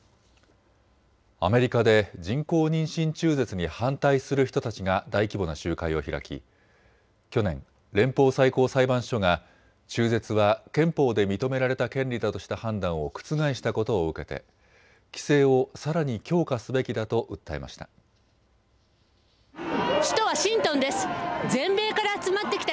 アメリカで人工妊娠中絶に反対する人たちが大規模な集会を開き去年、連邦最高裁判所が中絶は憲法で認められた権利だとした判断を覆したことを受けて規制をさらに強化すべきだと訴えました。